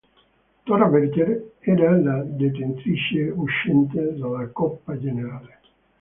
Tora Berger era la detentrice uscente della Coppa generale.